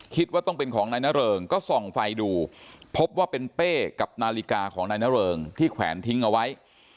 คิดว่าต้องเป็นของนายนเริงก็ส่องไฟดูพบว่าเป็นเป้กับนาฬิกาของนายนเริงที่แขวนทิ้งเอาไว้